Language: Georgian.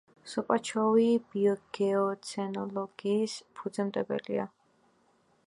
სუკაჩოვი ბიოგეოცენოლოგიის ფუძემდებელია.